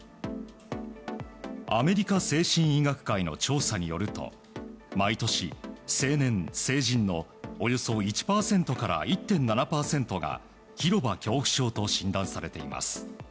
アメリカ精神医学会の調査によると毎年、青年・成人のおよそ１％から１．７％が広場恐怖症と診断されています。